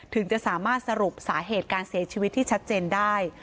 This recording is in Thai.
ถึงจะสามารถสรุปสาเหตุการเสียชีวิตที่ชัดเจนได้